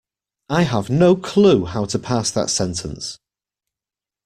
I have no clue how to parse that sentence.